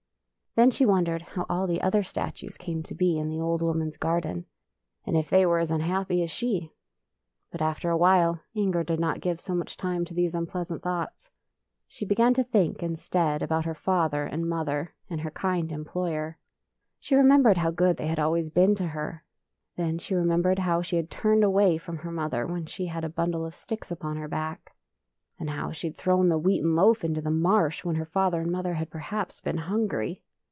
Then she wondered how all the other statues came to be in the old woman's garden, and if they were as unhappy as she. But after awhile Inger did not give so much time to these unpleasant thoughts. She began to think, instead, about her father and mother, and her kind employer. She remem bered how good they always had been to her. Then she remembered how she had turned away from her mother when she had a bun dle of sticks upon her back ; and how she had thrown the wheaten loaf into the marsh when her father and mother had perhaps been hungry.